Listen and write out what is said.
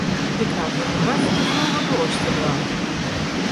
Ik haw wrachtich wol wat oars te dwaan.